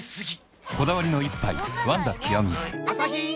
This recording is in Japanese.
こだわりの一杯「ワンダ極」